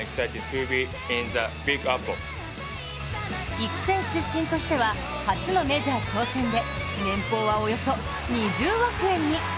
育成出身としては初のメジャー挑戦で年俸はおよそ２０億円に。